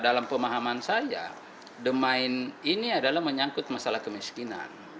dalam pemahaman saya demain ini adalah menyangkut masalah kemiskinan